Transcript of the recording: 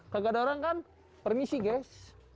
kagak ada orang kan permisi ges